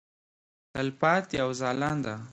تلپاتې او ځلانده.